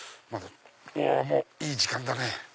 もういい時間だね。